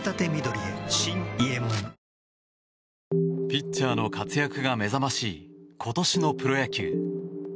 ピッチャーの活躍が目覚ましい今年のプロ野球。